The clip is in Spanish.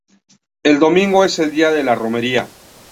El domingo es el día de la romería.